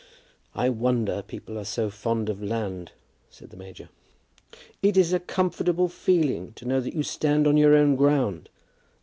"I wonder people are so fond of land," said the major. "It is a comfortable feeling to know that you stand on your own ground.